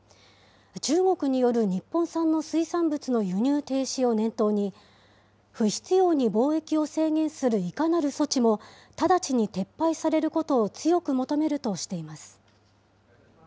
中国による日本産の水産物の輸入停止を念頭に、不必要に貿易を制限するいかなる措置も、直ちに撤廃されることを強く求めるとしています。